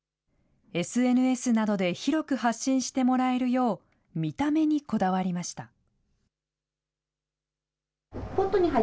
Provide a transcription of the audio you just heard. ＳＮＳなどで広く発信してもらえるよう、見た目にこだわりました。